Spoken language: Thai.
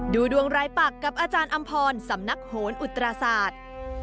ดูดวงรายปักกับอาจารย์อำพรสำนักโหนอุตราศาสตร์